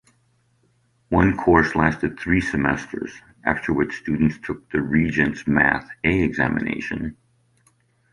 One course lasted three semesters, after which students took the Regents Math A Examination.